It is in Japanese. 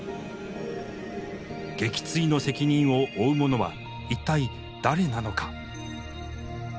撃墜の責任を負うものは一体誰なのか。